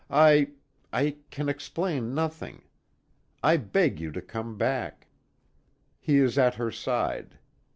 I I can explain nothing. I beg you to come back." He is at her side.